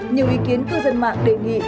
nhiều ý kiến cư dân mạng đề nghị